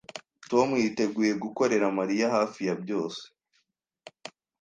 Tom yiteguye gukorera Mariya hafi ya byose